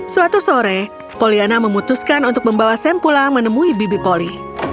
suatu sore poliana memutuskan untuk membawa sam pulang menemui bibi poli